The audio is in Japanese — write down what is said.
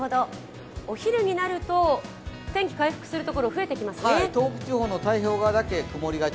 お昼になると天気、回復するところが多くなりますね。